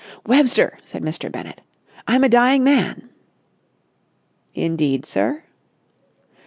"Webster," said Mr. Bennett, "I'm a dying man!" "Indeed, sir?"